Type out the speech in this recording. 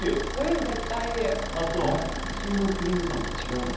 普通のクリームパンとは違うの？